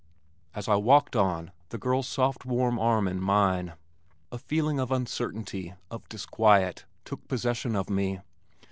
As I walked on, the girl's soft warm arm in mine, a feeling of uncertainty, of disquiet, took possession of me.